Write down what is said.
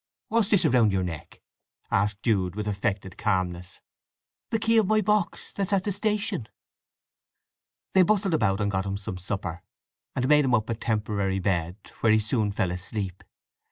"What's this round your neck?" asked Jude with affected calmness. "The key of my box that's at the station." They bustled about and got him some supper, and made him up a temporary bed, where he soon fell asleep.